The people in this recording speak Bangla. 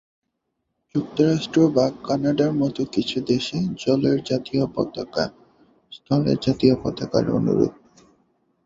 যুক্তরাষ্ট্র বা কানাডার মত কিছু দেশে জলের জাতীয় পতাকা, স্থলের জাতীয় পতাকার অনুরূপ।